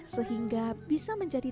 sehingga bisa menjadi